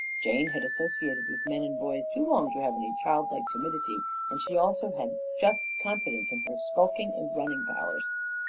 Jane had associated with men and boys too long to have any childlike timidity, and she also had just confidence in her skulking and running powers.